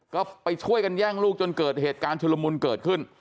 ก็ไปช่วยกันแย่งลูกจนเกิดเหตุการณ์ชุลมุนเกิดขึ้น